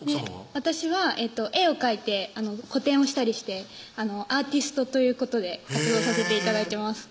私は絵を描いて個展をしたりしてアーティストということで活動させて頂いてます